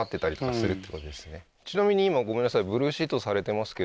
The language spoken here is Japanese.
なるほどちなみに今ごめんなさい